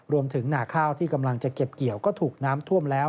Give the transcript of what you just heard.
หนาข้าวที่กำลังจะเก็บเกี่ยวก็ถูกน้ำท่วมแล้ว